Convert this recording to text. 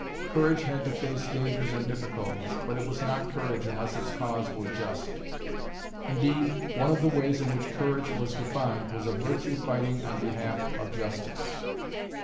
Courage had to face dangers and difficulties, but it was not courage unless its cause were just. Indeed one of the ways in which courage was defined was a virtue fighting on behalf of justice.